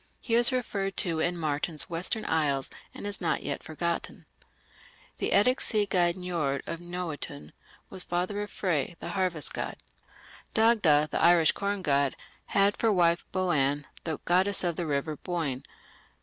He is referred to in Martin's Western Isles, and is not yet forgotten. The Eddic sea god Njord of Noatun was the father of Frey, the harvest god. Dagda, the Irish corn god, had for wife Boann, the goddess of the river Boyne.